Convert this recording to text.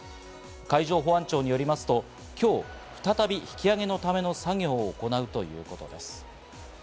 海上保安庁によります、今日再び、引き揚げのための作業を行うということです。